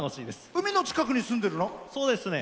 海の近くに住んでるの？